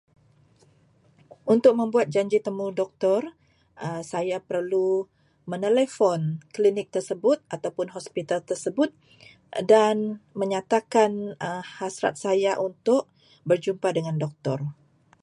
Untuk membuat janji temu doktor, saya perlu menelefon klinik tersebut ataupun hospital tersebut dan menyatakan hasrat saya untuk berjumpa dengan doktor.